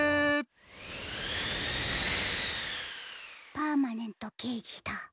パーマネントけいじだ。